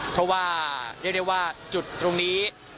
เพราะว่าเรียกได้ว่าจุดตรงนี้